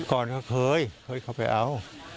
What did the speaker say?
ก่อนก็เคยเคยเข้าไปเอา